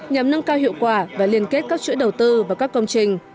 nhằm nâng cao hiệu quả và liên kết các chuỗi đầu tư và các công trình